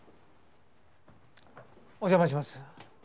お邪魔します。